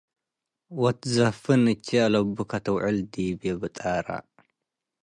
ወትዘፍን እቼ አለቡ ከትውዕል ዲብዬ ብጣረ